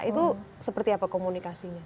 itu seperti apa komunikasinya